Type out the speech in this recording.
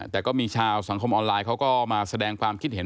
แต่ก็มีชาวสังคมออนไลน์เขาก็มาแสดงความคิดเห็น